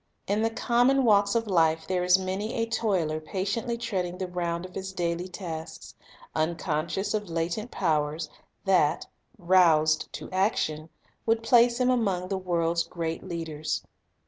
In the common walks of life there is many a toiler patiently treading the round of his daily tasks, unconscious of latent powers that, roused to action, would place him among the world's great leaders.